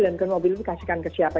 mungkin mobil itu dikasihkan ke siapa